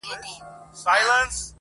ماشومانو ته به کومي کیسې یوسي،